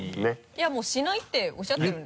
いやもうしないっておっしゃってるんで。